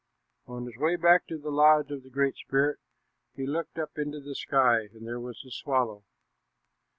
On his way back to the lodge of the Great Spirit he looked up into the sky, and there was the swallow.